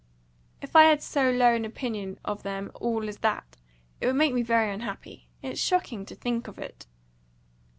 "If I had so low an opinion of them all as that, it would make me very unhappy. It's shocking to think of it."